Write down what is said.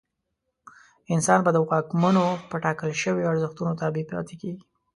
انسان به د واکمنو په ټاکل شویو ارزښتونو تابع پاتې کېږي.